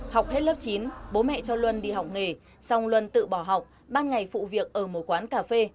học hết lớp chín bố mẹ cho luân đi học nghề xong luân tự bỏ học ban ngày phụ việc ở một quán cà phê